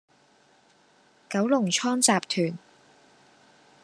九龍倉集團